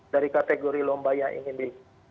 dari kategori lomba yang ini